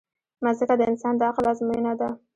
مځکه د انسان د عقل ازموینه ده.